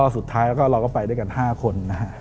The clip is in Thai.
สุดท้ายเราก็ไปด้วยกัน๕คน